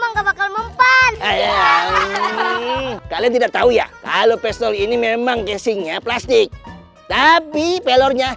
bangka bakal mempan ayo kalian tidak tahu ya kalau pistol ini memang casingnya plastik tapi pelornya